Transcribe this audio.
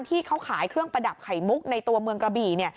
ที่เขาขายเครื่องประดับไข่มุกในตัวเมืองกระบี่